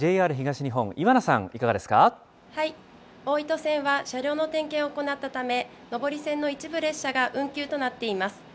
ＪＲ東日本、岩名さん、いかがで大糸線は車両の点検を行ったため、上り線の一部列車が運休となっています。